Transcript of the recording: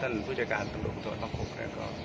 ต้านผู้ชายการตำรวงมุมต่อต้องหก